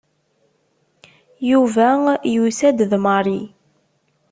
Yuba yusa-d d Mary.